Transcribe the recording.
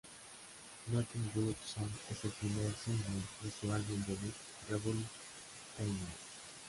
Nothing But Song es el primer "single" de su álbum-debut "Revolution In Me".